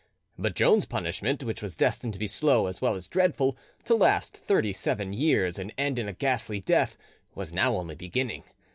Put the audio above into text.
But Joan's punishment, which was destined to be slow as well as dreadful, to last thirty seven years and end in a ghastly death, was now only beginning.